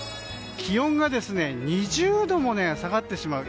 気温が２０度も下がってしまう。